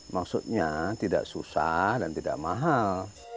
maksudnya tidak susah dan tidak mahal